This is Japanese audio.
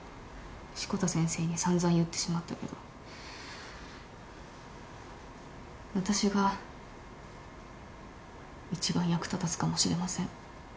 志子田先生に散々言ってしまったけど私が一番役立たずかもしれません。